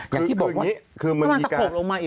อย่างที่บอกว่ามันมีการ